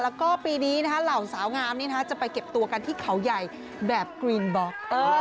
แล้วก็ปีนี้เหล่าสาวงามจะไปเก็บตัวกันที่เขาใหญ่แบบกรีนบล็อก